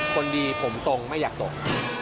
คนดีผมตรงไม่อยากส่ง